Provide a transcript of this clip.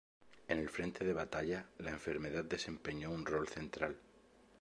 En el frente de batalla, la enfermedad desempeñó un rol central.